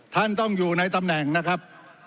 ท่านต้องอยู่ในตำแหน่งนะครับ